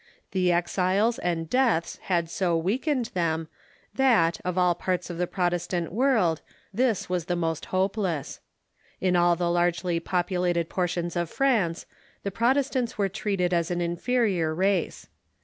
The exiles and deaths had so of French weakened them that, of all parts of the Protestant ro es an s .^.^^.j^j^ ^|jjg ^^g ^^^^ most hopeless. In all the largely populated portions of France the Protestants were treated as an inferior race.